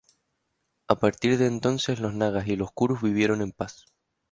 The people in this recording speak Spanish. A partir de entonces los nagas y los kurus vivieron en paz.